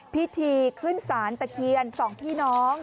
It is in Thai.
พิธีขึ้นสารตะเคียนสองพี่น้อง